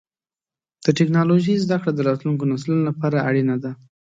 د ټکنالوجۍ زدهکړه د راتلونکو نسلونو لپاره اړینه ده.